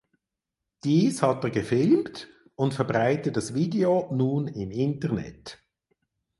Dies hat er gefilmt und verbreitet das Video nun im Internet.